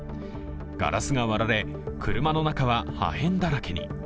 ガラスが割られ車の中は破片だらけに。